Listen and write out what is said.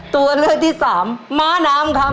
ตัวเลือกที่สามม้าน้ำครับ